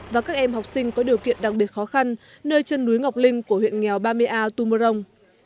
và các em học sinh có điều kiện đặc biệt khó khăn nơi chân núi ngọc linh của huyện nghèo ba mươi a tumorong